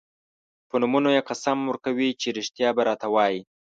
په نومونو یې قسم ورکوي چې رښتیا به راته وايي.